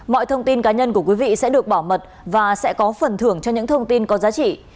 mọi thông tin cá nhân của quý vị sẽ được bảo mật và sẽ có phần thưởng cho những thông tin có giá trị